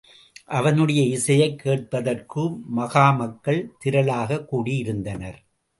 அவனுடைய இசையைக் கேட்பதற்குமாக மக்கள் திரளாகக் கூடியிருந்தனர்.